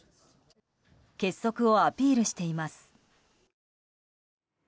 結束をアピールしています。